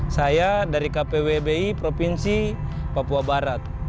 saya dari kpwbi provinsi papua barat